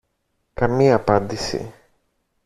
Καμία απάντηση